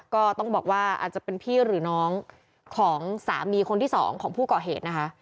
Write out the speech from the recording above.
ก็ต้องบอกว่าอาจจะเป็นพี่หรือน้องของสามีคนที่สองของผู้ก่อเหตุนะคะ